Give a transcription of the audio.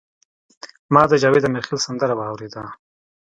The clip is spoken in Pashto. ما د جاوید امیرخیل سندره واوریده.